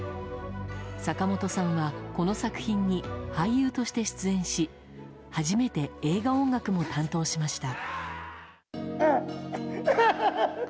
坂本さんはこの作品に俳優として出演し初めて映画音楽も担当しました。